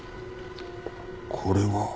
これは。